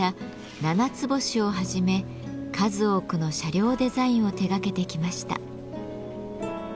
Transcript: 「ななつ星」をはじめ数多くの車両デザインを手がけてきました。